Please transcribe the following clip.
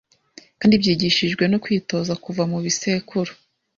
kandi byigishijwe no kwitoza kuva mubisekuru